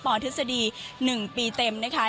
ปธศดี๑ปีเต็มนะคะ